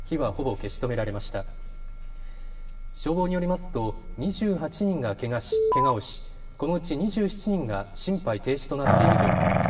消防によりますと２８人がけがをし、このうち２７人が心肺停止となっているということです。